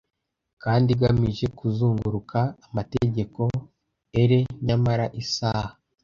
Kandi igamije kuzunguruka amategeko; ere nyamara isaha